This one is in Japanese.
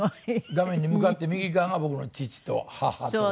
画面に向かって右側が僕の父と母とで。